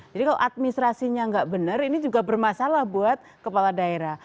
jadi kalau administrasinya nggak benar ini juga bermasalah buat kepala daerah